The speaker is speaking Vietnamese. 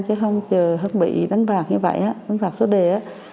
bây giờ hân bị đánh bạc như vậy đánh bạc xuất địa